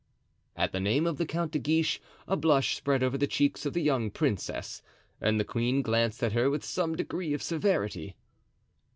At the name of the Count de Guiche a blush spread over the cheeks of the young princess and the queen glanced at her with some degree of severity.